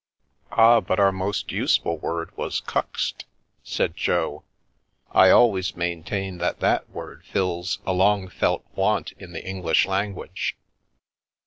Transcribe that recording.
Ah, but our most useful word was ' cuxt,' " said Jo. I always maintain that that word fills a long felt want in the English language."